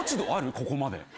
ここまで。